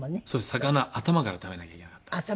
魚頭から食べなきゃいけなかったんですよ。